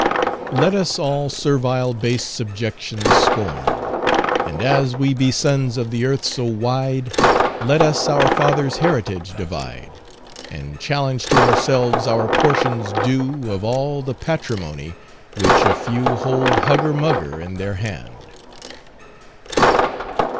"Let us all servile base subjection scorn, And as we be sons of the earth so wide, Let us our father's heritage divide, And challenge to ourselves our portions dew Of all the patrimony, which a few hold on hugger mugger in their hand."